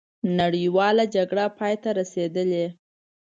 نړیواله جګړه پای ته رسېدلې.